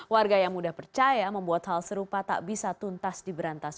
warga yang mudah percaya membuat hal serupa tak bisa tuntas diberantas